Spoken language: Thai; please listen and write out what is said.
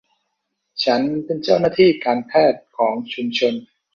ฉันเป็นเจ้าหน้าที่การแพทย์ของชุมชน